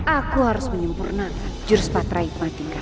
aku harus menyempurnakan jurus patraikmat tingkat enam